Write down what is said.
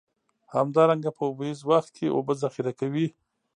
همدارنګه په اوبیز وخت کې اوبه ذخیره کوي.